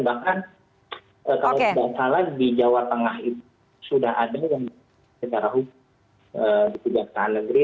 bahkan kalau tidak salah di jawa tengah itu sudah ada yang secara hukum di kejaksaan negeri